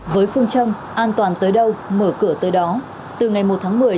với phương châm an toàn tới đâu mở cửa tới đó từ ngày một tháng một mươi